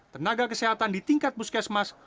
tenaga kesehatan di tingkat puskesmas